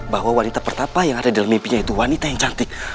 bahwa wanita pertama yang ada di dalam mimpinya itu wanita yang cantik